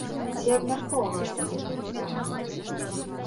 Ці абмяркоўвалася гэтае пытанне?